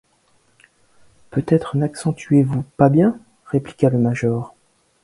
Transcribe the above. Peut-être n’accentuez-vous pas bien? répliqua le major.